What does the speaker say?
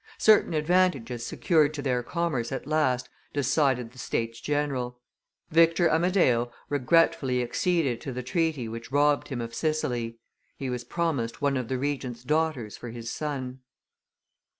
Certain advantages secured to their commerce at last decided the States general. Victor Amadeo regretfully acceded to the treaty which robbed him of Sicily; he was promised one of the Regent's daughters for his son.